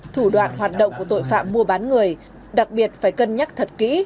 thủ đoạn hoạt động của tội phạm mua bán người đặc biệt phải cân nhắc thật kỹ